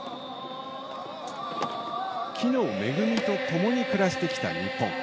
木の恵みとともに暮らしてきた日本。